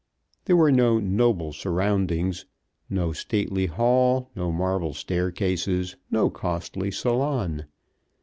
There were no noble surroundings, no stately hall, no marble staircases, no costly salon.